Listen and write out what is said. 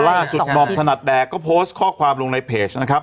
หม่อมถนัดแดกก็โพสต์ข้อความลงในเพจนะครับ